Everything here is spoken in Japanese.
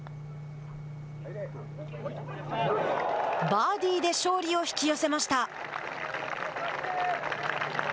バーディーで勝利を引き寄せました。